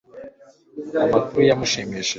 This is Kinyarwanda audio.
Amakuru yamushimishije